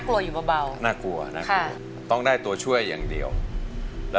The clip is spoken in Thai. รู้จักนิด